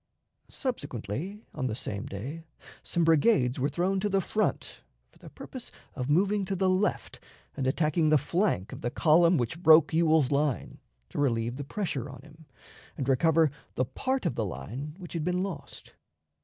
Subsequently, on the same day, some brigades were thrown to the front, for the purpose of moving to the left and attacking the flank of the column which broke Ewell's line, to relieve the pressure on him, and recover the part of the line which had been lost.